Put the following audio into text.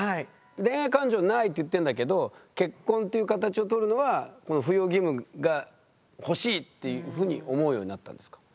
「恋愛感情ない」って言ってんだけど結婚という形をとるのはこの扶養義務がほしいっていうふうに思うようになったんですか？